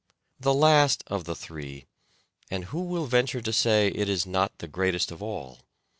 The last of the three — and who will venture to say it is not the greatest of all